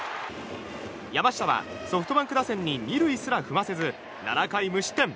山下は、ソフトバンク打線に２塁すら踏ませず７回無失点。